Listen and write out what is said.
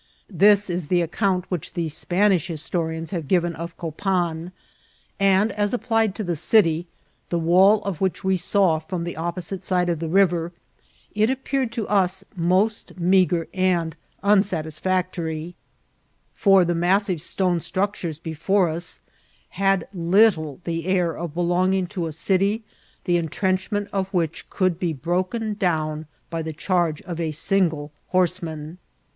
This is the account which the Spanish historians have given of Ck^pan ; and, as applied to the city, the wall o( which we saw from the opposite side of the river, it ap« peered to us most meager and unsatisfactory ; for the massive stone structures before us had little the air of belonging to a city, the intrenchment of which could be broken down by the charge of a single horseman.